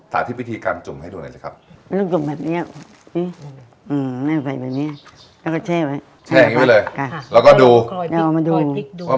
ถ้าทิ้งไว้ที่มันนานเกินไปจะเกิดอะไรขึ้น